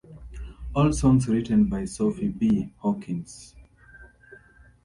All songs written by Sophie B. Hawkins.